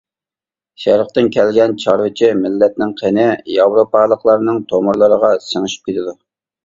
شەرقتىن كەلگەن چارۋىچى مىللەتنىڭ قېنى ياۋروپالىقلارنىڭ تومۇرلىرىغا سىڭىشىپ كېتىدۇ.